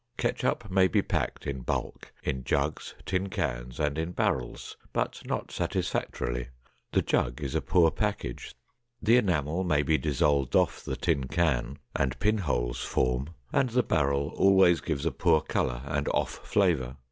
Ketchup may be packed in bulk in jugs, tin cans, and in barrels, but not satisfactorily; the jug is a poor package; the enamel may be dissolved off the tin can and pinholes form; and the barrel always gives a poor color and off flavor.